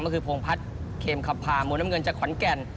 ก็คือโพงพัทเคมขับพามวลน้ำเงินจากขวัญแก่น